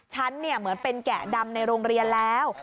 ฉันเหมือนเป็นแกะดำในโรงเรียนแล้ว